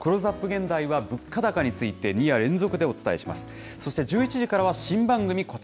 現代は、物価高について、２夜連続でお伝えします。